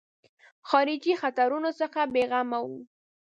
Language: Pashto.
خارجي خطرونو څخه بېغمه وو.